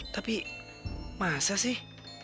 tapi masa sih